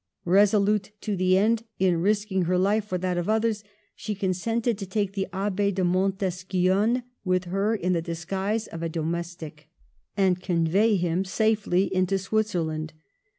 Resolute to the end in risking her life for that of others, she consent ed to take the Abb6 de Montesquion with her in the disguise of a domestic, and convey him safely into Switzerland.